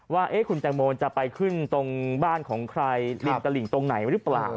ว่าคุณแตงโมจะไปขึ้นตรงบ้านของใครริมตลิ่งตรงไหนหรือเปล่า